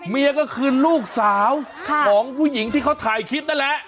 เมียก็คือลูกสาวของผู้หญิงที่เขาถ่ายคลิปนั่นแหละ